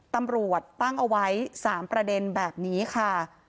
ตำรวจตั้งเอาไว้๓ประเด็นแบบนี้ค่ะ